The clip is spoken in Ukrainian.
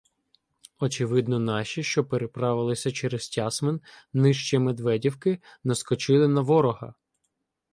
Очевидно, наші, що переправилися через Тясмин нижче Медведівки, наскочили на ворога.